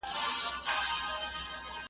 د باوړۍ اوبه مي هر ګړی وچېږي `